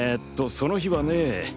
その日はねぇ。